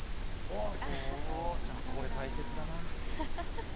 これ、大切だな。